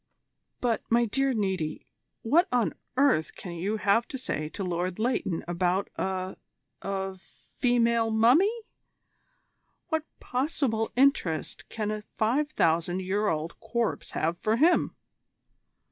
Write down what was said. "But, my dear Niti, what on earth can you have to say to Lord Leighton about a a female mummy? What possible interest can a five thousand year old corpse have for him?"